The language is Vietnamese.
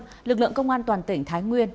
để ra quân lực lượng công an toàn tỉnh thái nguyên